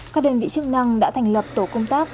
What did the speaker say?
các đơn vị chức năng đã thành lập tổ công tác